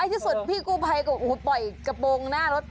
สักทีสุดพี่กูไพน์หาเขาใส้กระโปรงหน้ารถ